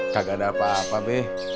kagak ada apa apa be